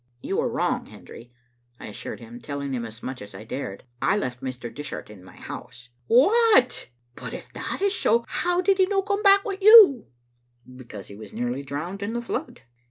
"You are wrong, Hendry," I assured him, telling as much as I dared. " I left Mr. Dishart in my house. " "What I But if that is so, how did he no come back wi' you?" " Because he was nearly drowned in the flood."